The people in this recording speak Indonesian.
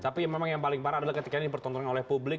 tapi memang yang paling parah adalah ketika ini dipertonton oleh publik